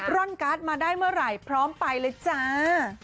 ร่อนกัทมาได้เมื่อไรพร้อมไปเลยจ้า